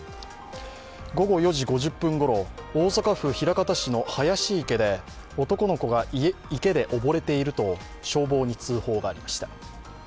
午後４時５０分ごろ、大阪府枚方市の林池で男の子が池で溺れていると消防に通報がありました。